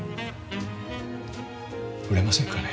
売れませんかね。